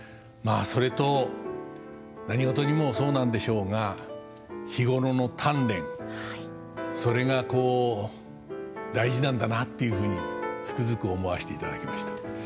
まあそれと何事にもそうなんでしょうが日頃の鍛錬それがこう大事なんだなっていうふうにつくづく思わしていただきました。